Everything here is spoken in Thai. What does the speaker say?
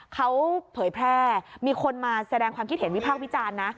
เขาเผยแพร่มีคนมาแสดงความคิดเห็นวิพากษ์วิจารณ์นะ